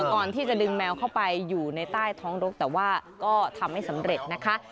ก่อนที่จะดึงแมวเข้าไปอยู่ในใต้ท้องรกแต่ว่าก็ทำไม่สำเร็จนะคะ